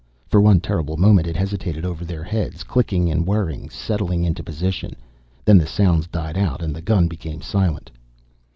For one terrible moment it hesitated over their heads, clicking and whirring, settling into position. Then the sounds died out and the gun became silent.